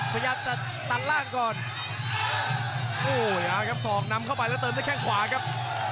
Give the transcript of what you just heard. พยายามจะตัดล่างก่อนโอ้โหเอาครับศอกนำเข้าไปแล้วเติมด้วยแข้งขวาครับ